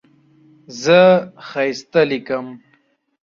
زه ښایسته لیکم.